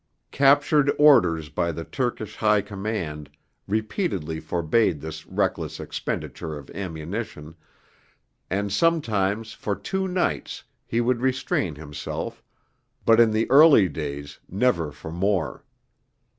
Captured orders by the Turkish High Command repeatedly forbade this reckless expenditure of ammunition, and sometimes for two nights he would restrain himself, but in the early days never for more.